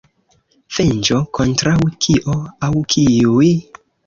Venĝo kontraŭ kio aŭ kiuj?